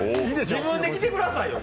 自分で着てくださいよ。